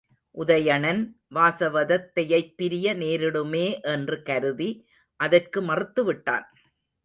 உதயணன், வாசவதத்தையைப் பிரிய நேரிடுமே என்று கருதி அதற்கு மறுத்துவிட்டான்.